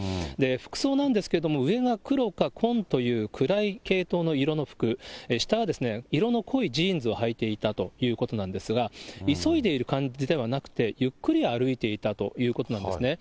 服装なんですけれども、上が黒か紺という暗い系統の色の服、下は色の濃いジーンズをはいていたということなんですが、急いでいる感じではなくて、ゆっくり歩いていたということなんですね。